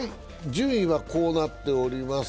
順位はこうなっております。